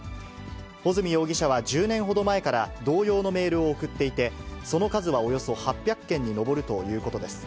保住容疑者は１０年ほど前から同様のメールを送っていて、その数はおよそ８００件に上るということです。